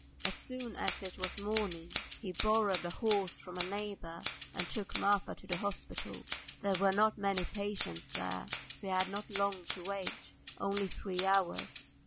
As soon as it was morning he borrowed a horse from a neighbour and took Marfa to the hospital. There were not many patients there, and so he had not long to wait, only three hours.